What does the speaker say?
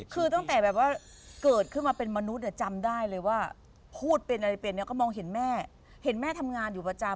คือตั้งแต่แบบว่าเกิดขึ้นมาเป็นมนุษย์จำได้เลยว่าพูดเป็นอะไรเป็นเนี่ยก็มองเห็นแม่เห็นแม่ทำงานอยู่ประจำ